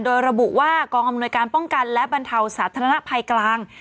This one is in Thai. โดยระบุว่ากองอำนวยการป้องกันและบรรเทาสาธารณภัยกลาง